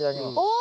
お！